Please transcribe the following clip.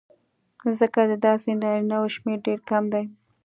ځکه د داسې نارینهوو شمېر ډېر کم دی